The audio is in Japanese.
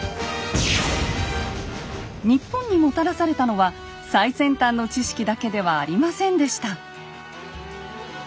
日本にもたらされたのは最先端の知識だけではありませんでした。